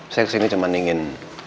saya kesini cuma ingin